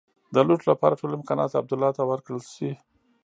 د لوټ لپاره ټول امکانات عبدالله ته ورکړل شي.